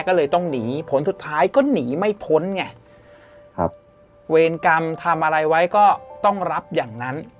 ก็เลยต้องหนีผลสุดท้ายก็หนีไม่พ้นไงครับเวรกรรมทำอะไรไว้ก็ต้องรับอย่างนั้น